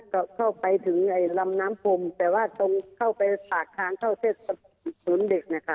ก็เข้าไปถึงลำน้ำพรมแต่ว่าตรงเข้าไปปากทางเข้าศูนย์เด็กนะคะ